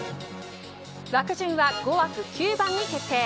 枠順は５枠９番に決定。